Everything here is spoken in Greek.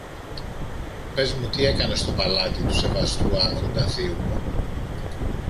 Πες μου τι έκανες στο παλάτι του σεβαστού Άρχοντα θείου μου.